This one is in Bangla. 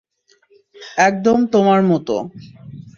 একদম তোমার মতো।